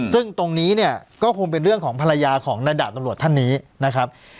ซึ่งตรงนี้เนี่ยก็คงเป็นเรื่องของภรรยาของนาดาบตำรวจท่านนี้นะครับ